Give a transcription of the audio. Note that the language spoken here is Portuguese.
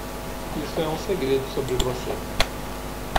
Isso é um segredo sobre você.